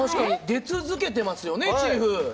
出続けてますよねチーフ。